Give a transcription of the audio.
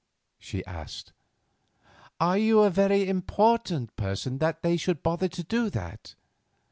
she asked. "Are you a very important person that they should bother to do that?